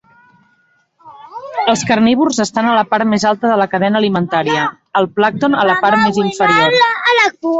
Els carnívors estan a la part més alta de la cadena alimentària; el plàncton a la part més inferior